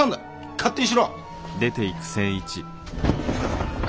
勝手にしろ！